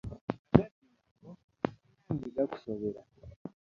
Agabbi nago, bannange gakusobera!